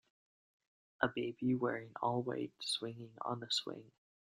A baby wearing all white swinging on a swing.